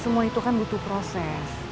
semua itu kan butuh proses